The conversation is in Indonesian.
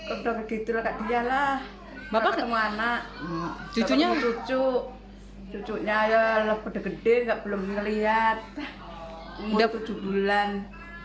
anak anak cucunya cucu cucunya ya loh gede gede enggak belum melihat